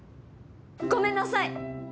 ごめんなさい！